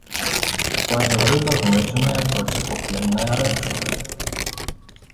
У складзе грыба знойдзеныя проціпухлінных рэчывы.